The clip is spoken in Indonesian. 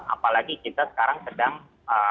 apalagi kita sekarang sedang